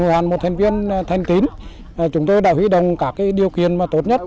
chúng tôi là một thành viên thanh tín chúng tôi đã hủy đồng các điều kiện tốt nhất